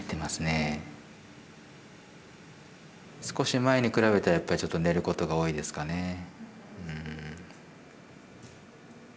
少し前に比べたらやっぱりちょっと寝ることが多いですかね。